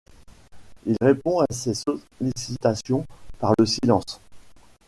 Il répond à ces sollicitations par le silence.